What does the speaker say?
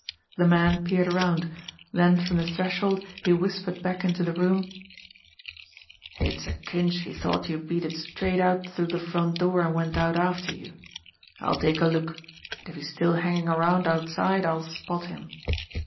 The man peered around; then from the threshold he whispered back into the room : "It's a cinch he thought you beat it straight out through the front door, and went out after you. I'll take a look, and if he's still hanging around outside I'll spot him.